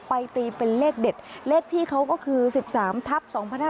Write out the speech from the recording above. ตีเป็นเลขเด็ดเลขที่เขาก็คือ๑๓ทับ๒๕๕๙